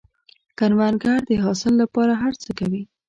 کروندګر د حاصل له پاره هر څه کوي